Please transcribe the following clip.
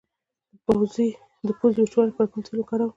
د پوزې د وچوالي لپاره کوم تېل وکاروم؟